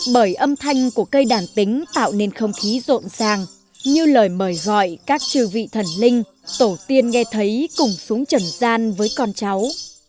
bởi âm thanh của cây đàn tính tạo nên không khí rộn ràng như lời mời gọi các chư vị thần linh tổ tiên nghe thấy cùng súng trần gian với con cháu